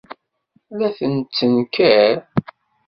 La tettenkar.